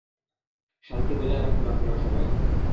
শান্তি বজায় রাখুন আপনারা সবাই।